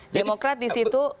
demokrat di situ